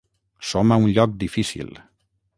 Som a un lloc difícil.